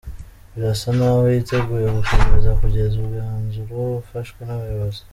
Birasa naho yiteguye gukomeza kugeza umwanzuro ufashwe n’abayobozi.”